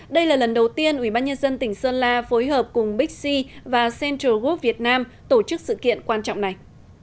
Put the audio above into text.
đây là lần đầu tiên ubnd tỉnh sơn la phối hợp cùng bixi và central group việt nam tổ chức sự kiện quan trọng này